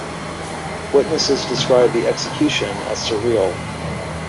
Witnesses described the execution as surreal.